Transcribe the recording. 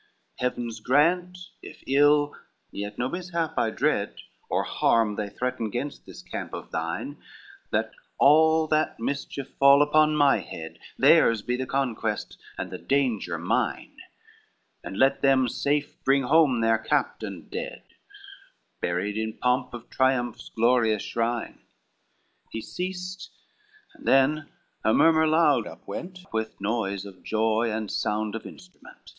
XL "Heavens grant if evil, yet no mishap I dread, Or harm they threaten against this camp of thine, That all that mischief fall upon my head, Theirs be the conquest, and the danger mine; And let them safe bring home their captain dead, Buried in pomp of triumph's glorious shine." He ceased, and then a murmur loud up went, With noise of joy and sound of instrument.